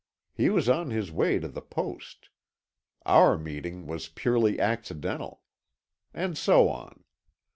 He was on his way to the post. Our meeting was purely accidental. And so on.